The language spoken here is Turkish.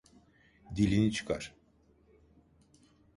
Dilini çıkar.